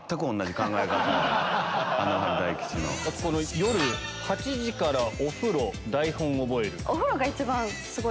夜８時から「お風呂台本覚える」。